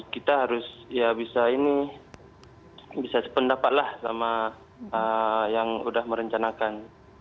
kita harus bisa sependapatlah sama yang sudah merencanakan